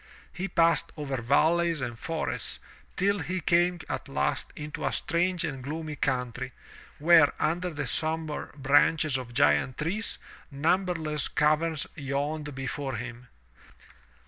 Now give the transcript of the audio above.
He passed over valleys and forests, till he came at last into a strange and gloomy country, where, under the sombre branches of giant trees, numberless caverns yawned before him.